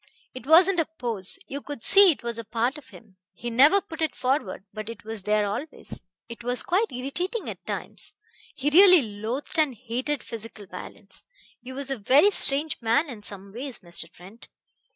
It wasn't a pose; you could see it was a part of him. He never put it forward, but it was there always. It was quite irritating at times.... He really loathed and hated physical violence. He was a very strange man in some ways, Mr. Trent.